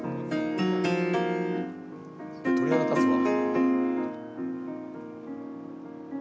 鳥肌立つわ。